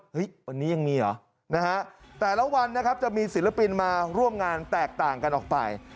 วันนี้ยังมีเหรอนะฮะแต่ละวันนะครับจะมีศิลปินมาร่วมงานแตกต่างกันออกไป